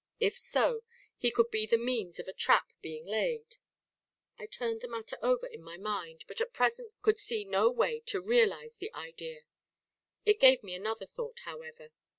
If so, he could be the means of a trap being laid. I turned the matter over in my mind, but at present could see no way to realise the idea. It gave me another thought, however.